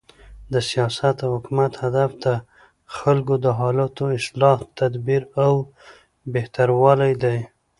د سیاست او حکومت هدف د خلکو د حالاتو، اصلاح، تدبیر او بهتروالی دئ.